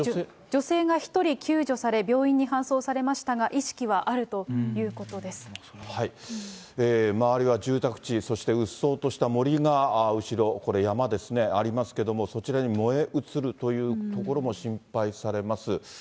女性が１人救助され、病院に搬送されましたが、周りは住宅地、そしてうっそうとした森が後ろ、これ、山ですね、ありますけども、そちらに燃え移るというところも心配されます。